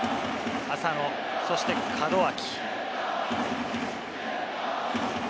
浅野、そして門脇。